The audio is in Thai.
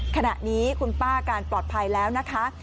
ขณะนี้คุณป้าการปลอดภัยแล้วนะคะ